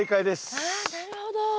ああなるほど。